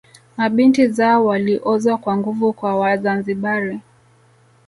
Mabinti zao waliozwa kwa nguvu kwa Wazanzibari